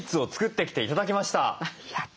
やった！